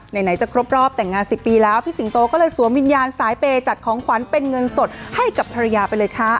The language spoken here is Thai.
ไหนจะครบรอบแต่งงาน๑๐ปีแล้วพี่สิงโตก็เลยสวมวิญญาณสายเปย์จัดของขวัญเป็นเงินสดให้กับภรรยาไปเลยค่ะ